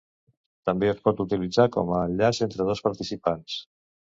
També es pot utilitzar com a enllaç entre dos participants.